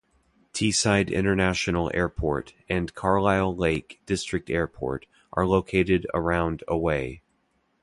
Teesside International Airport and Carlisle Lake District Airport are located around away.